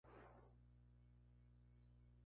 Se desconoce su designación militar.